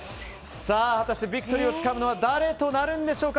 果たしてビクトリーをつかむのは誰なんでしょうか。